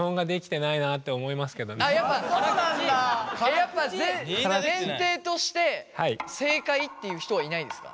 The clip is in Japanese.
やっぱ前提として正解っていう人はいないですか？